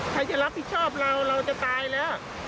ใครจะรับผิดชอบเราเราจะตายแล้ว